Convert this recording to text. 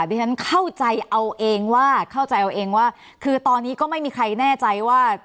ดิฉันเข้าใจเอาเองว่าคือตอนนี้ก็ไม่มีใครแน่ใจว่า